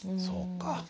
そうか。